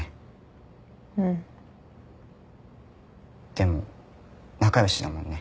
でも仲良しだもんね。